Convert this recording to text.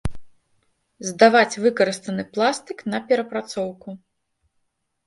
Здаваць выкарыстаны пластык на перапрацоўку.